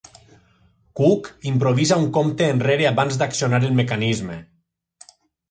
Cook improvisa un compte enrere abans d'accionar el mecanisme.